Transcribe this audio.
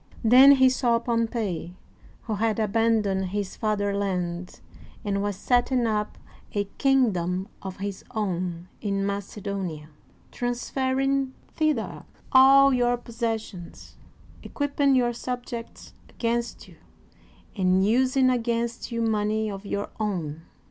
Then he saw Pompey, who had abandoned hi» fatherland and was setting up a kingdom of his own in Macedonia, transferring thither all your possessions, equipping your subjects against you, and using against you money of your own.